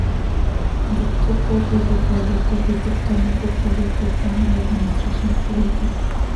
Dictó cursos de proyecto arquitectónico, proyecto urbano y administración pública.